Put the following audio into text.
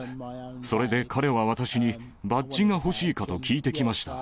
それで彼は私に、バッジが欲しいかと聞いてきました。